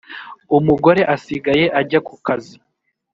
umugore asigaye ajya ku kazi